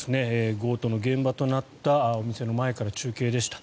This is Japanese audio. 強盗の現場となったお店の前から中継でした。